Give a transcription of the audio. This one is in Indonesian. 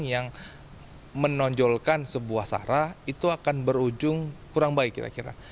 yang menonjolkan sebuah sara itu akan berujung kurang baik kira kira